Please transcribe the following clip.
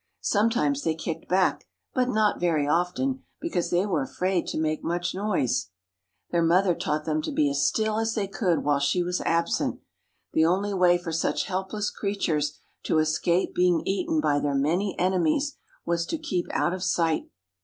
Sometimes they kicked back, but not very often, because they were afraid to make much noise. Their mother taught them to be as still as they could while she was absent. The only way for such helpless little creatures to escape being eaten by their many enemies was to keep out of sight.